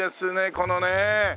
このね。